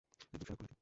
একদম সেরা কোয়ালিটি।